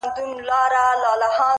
لويه گناه،